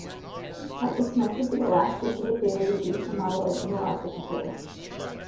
By this method the elasticity theory is used to model an inelastic material.